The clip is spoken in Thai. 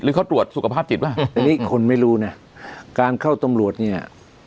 เขาตรวจสุขภาพจิตป่ะอันนี้คนไม่รู้นะการเข้าตำรวจเนี่ย